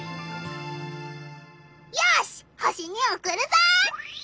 よし星におくるぞ！